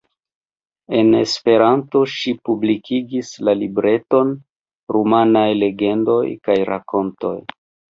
En Esperanto, ŝi publikigis la libreton "Rumanaj legendoj kaj rakontoj".